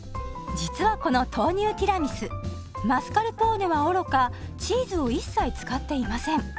実はこの豆乳ティラミスマスカルポーネはおろかチーズを一切使っていません。